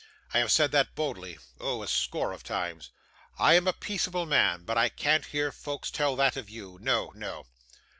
I have said that boldly oh, a score of times! I am a peaceable man, but I can't hear folks tell that of you. No, no.